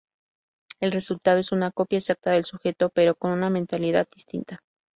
El resultado es una copia exacta del sujeto pero con una mentalidad distinta.